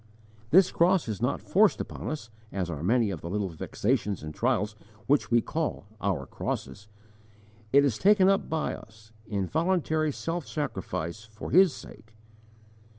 This cross is not forced upon us as are many of the little vexations and trials which we call 'our crosses'; it is taken up by us, in voluntary self sacrifice for His sake.